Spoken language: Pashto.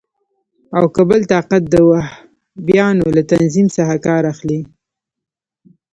او که بل طاقت د وهابیانو له تنظیم څخه کار اخلي.